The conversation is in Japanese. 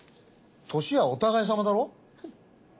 年はお互いさまだろ？